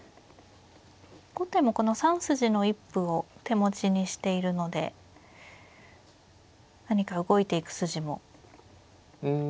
後手もこの３筋の一歩を手持ちにしているので何か動いていく筋もあったりしますか。